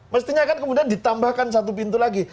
mestinya kan kemudian ditambahkan satu pintu lagi